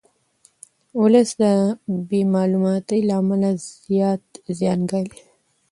ولس د بې معلوماتۍ له امله زیات زیان ګالي.